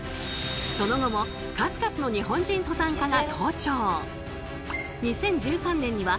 その後も数々の日本人登山家が登頂。